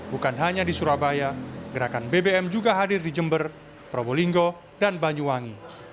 bukan hanya di surabaya gerakan bbm juga hadir di jember probolinggo dan banyuwangi